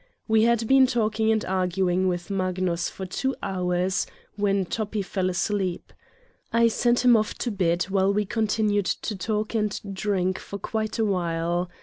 We had been talking and arguing with Magnus for two hours when Toppi fell asleep. I sent him off to bed while we continued to talk and drink for quite a while.